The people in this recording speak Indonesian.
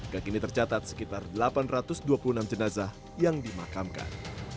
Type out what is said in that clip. kekini tercatat sekitar delapan ratus dua puluh enam jenazah yang dimakamkan